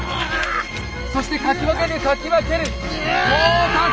そしてかき分けるかき分ける！到達！